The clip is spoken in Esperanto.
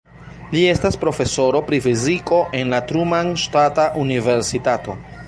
Li estas profesoro pri fiziko en la Truman Ŝtata Universitato.